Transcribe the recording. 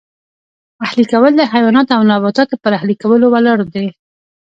اهلي کول د حیواناتو او نباتاتو پر اهلي کولو ولاړ دی